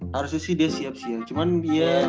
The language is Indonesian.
harusnya sih dia siap sih ya cuman dia